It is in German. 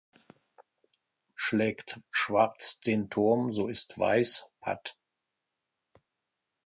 Schlägt Schwarz den Turm, so ist Weiß patt.